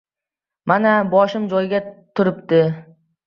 "Mana, boshim joyida turibdi.